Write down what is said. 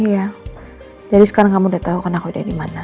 iya jadi sekarang kamu udah tahu kan aku udah dimana